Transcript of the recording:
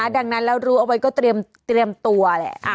ดังนั้นแล้วรู้เอาไว้ก็เตรียมตัวแหละ